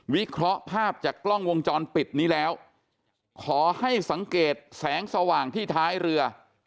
เคราะห์ภาพจากกล้องวงจรปิดนี้แล้วขอให้สังเกตแสงสว่างที่ท้ายเรือ